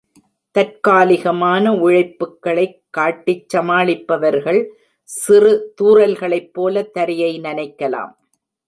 தற்காலிகமான உழைப்புக்களைக் காட்டிச் சமாளிப்பவர்கள் சிறு தூறல்களைப் போலத் தரையை நனைக்கலாம்.